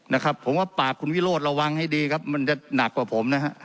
นะครับผมว่าปากคุณวิโรธระวังให้ดีครับมันจะหนักกว่าผมนะฮะ